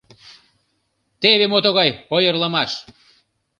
Теве мо тугай ойырлымаш!